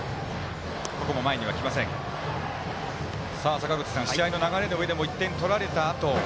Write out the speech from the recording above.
坂口さん、試合の流れでは１点取られたあと